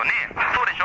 そうでしょ？